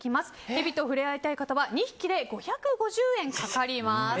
ヘビと触れ合いたい方は２匹で５５０円かかります。